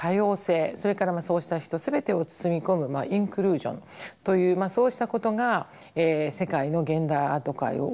それからそうした人全てを包み込むインクルージョンというそうしたことが世界の現代アート界を大きく変えています。